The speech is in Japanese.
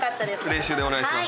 冷酒でお願いします